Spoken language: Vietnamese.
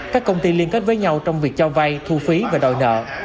các công ty liên kết với nhau trong việc cho vay thu phí và đòi nợ